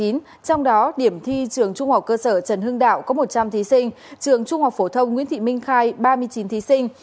trong đó điểm thi trường trung học cơ sở trần hưng đạo có một trăm linh thí sinh trường trung học phổ thông nguyễn thị minh khai ba mươi chín thí sinh